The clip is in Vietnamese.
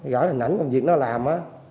gửi hình ảnh công việc nó làm